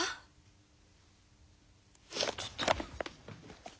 ちょっと。